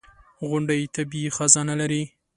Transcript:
• غونډۍ طبیعي خزانه لري.